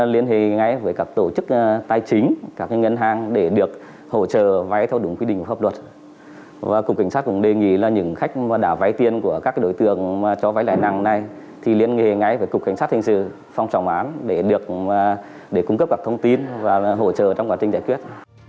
liên hệ ngay với cục cảnh sát hệ sự phong trọng án để cung cấp các thông tin và hỗ trợ trong quá trình giải quyết